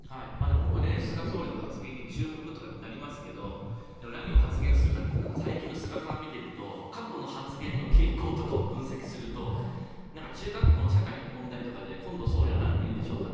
ここで菅総理の発言に注目となりますけどでも何を発言するかって最近の菅さんを見ていると過去の発言の傾向とかを分析すると中学校の社会の問題とかで今度、総理はなんと言うでしょうかと